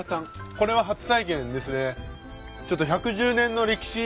これは初体験ですね。